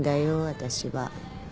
私は。